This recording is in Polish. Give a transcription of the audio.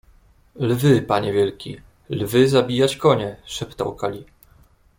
— Lwy, panie wielki! lwy zabijać konie! — szeptał Kali.